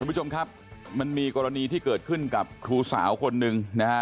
คุณผู้ชมครับมันมีกรณีที่เกิดขึ้นกับครูสาวคนหนึ่งนะฮะ